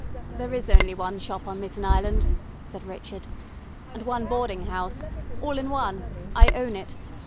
"There is only one shop on Mitten Island," said Richard. "And one boarding house. All in one. I own it.